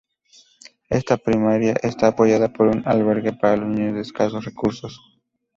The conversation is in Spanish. Esta primaria está apoyada por un albergue para los niños de escasos recurso.